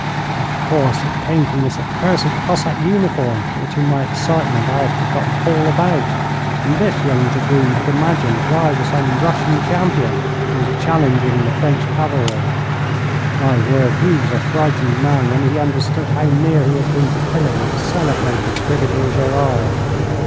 Of course, it came from this accursed Cossack uniform which, in my excitement, I had forgotten all about, and this young dragoon had imagined that I was some Russian champion who was challenging the French cavalry. My word, he was a frightened man when he understood how near he had been to killing the celebrated Brigadier Gerard.